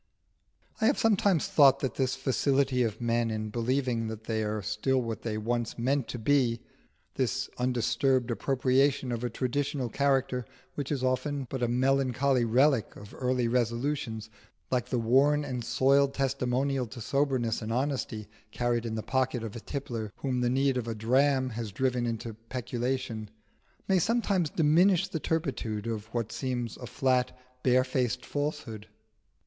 I have sometimes thought that this facility of men in believing that they are still what they once meant to be this undisturbed appropriation of a traditional character which is often but a melancholy relic of early resolutions, like the worn and soiled testimonial to soberness and honesty carried in the pocket of a tippler whom the need of a dram has driven into peculation may sometimes diminish the turpitude of what seems a flat, barefaced falsehood.